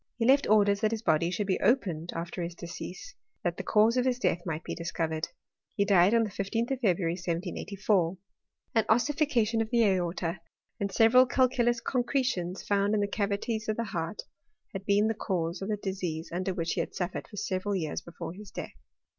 He left orders that his body should be opened after his de cease, that the cause of his death might be discovered. He died on the 15th of February, 1784. An ossifi cation of the aorta, and several calculous concretions found in the cavities of the heart, had been the cause of the disease under which he had suffered for several years before his death.